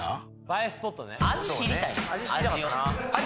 映えスポットね味